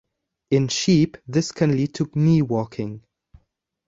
In sheep, this can lead to knee-walking.